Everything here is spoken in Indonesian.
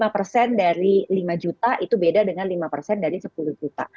lima persen dari lima juta itu beda dengan lima persen dari sepuluh juta